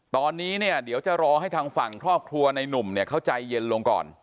ตอนนี้เดี๋ยวจะรอให้ทางฝั่งทบคุณผู้ชมในนุ่มเนี่ยเขาใจเย็นลงก่อน